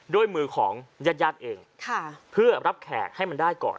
ด้วยมือของญาติญาติเองเพื่อรับแขกให้มันได้ก่อน